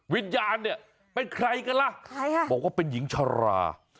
วิญญาณเนี่ยเป็นใครกันล่ะใครอ่ะบอกว่าเป็นหญิงชรา